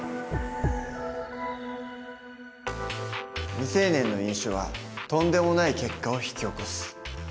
未成年の飲酒はとんでもない結果を引き起こす。